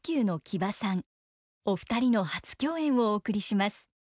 お二人の初共演をお送りします。